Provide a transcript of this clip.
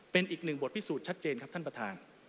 เป็นอีกหนึ่งบทพิสูจน์ชัดเจนครับท่านประธาน